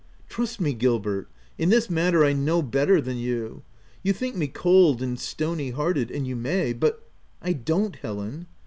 Trust me, Gilbert ; in this matter I know better than you. You think me cold and stony hearted, and you may, but — M " I don't Helen."